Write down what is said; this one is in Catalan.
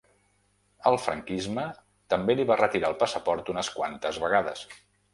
El franquisme també li va retirar el passaport unes quantes vegades.